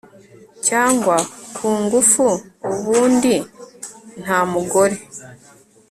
cyangwa ku ngufu ubundi nta mugore